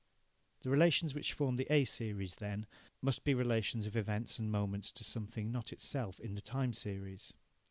The relations which form the A series then must be relations of events and moments to something not itself in the time series.